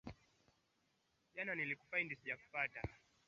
nusu fainali ya kwanza ambapo japan walicheza na